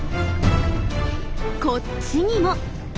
こっちにも。